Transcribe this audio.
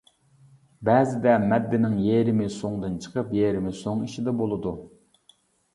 بەزىدە مەددىنىڭ يېرىمى سوڭدىن چىقىپ، يېرىمى سوڭ ئىچىدە بولىدۇ.